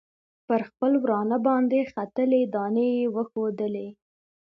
پر خپل ورانه باندې ختلي دانې یې وښودلې.